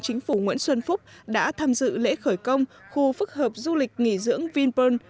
chính phủ nguyễn xuân phúc đã tham dự lễ khởi công khu phức hợp du lịch nghỉ dưỡng vinpearl